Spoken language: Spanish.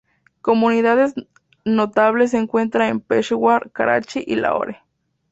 Comunidades notables se encuentran en Peshawar, Karachi y Lahore.